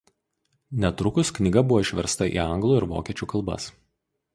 Netrukus knyga buvo išversta į anglų ir vokiečių kalbas.